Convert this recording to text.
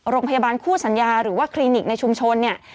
โรงพยาบาลคู่สัญญาหรือว่าคลินิกในชุมชนเนี่ย